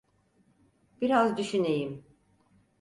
Biraz düşüneyim.